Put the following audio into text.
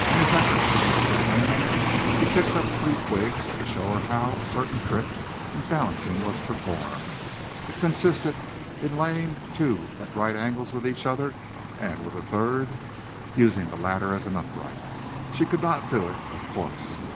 In his efforts to be entertaining he picked up three twigs to show her how a certain trick in balancing was performed. It consisted in laying two at right angles with each other and with a third, using the latter as an upright. She could not do it, of course.